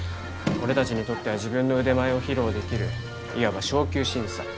俺たちにとっては自分の腕前を披露できるいわば昇級審査。